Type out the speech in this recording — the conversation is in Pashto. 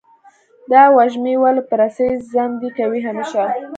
دا وږمې ولې په رسۍ زندۍ کوې همیشه؟